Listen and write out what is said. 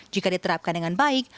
jika diterapkan dengan baik